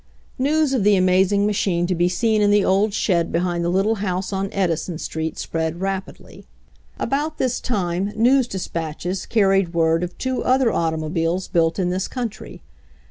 News of the amazing machine to be seen in the old shed behind the little house on Edison street spread rapidly. About this time news dis patches carried word of two other automobiles ENTER COFFEE JIM 95 built in this country.